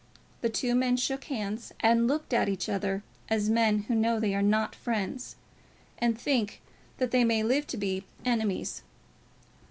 The two men shook hands and looked at each other as men do who know that they are not friends, and think that they may live to be enemies.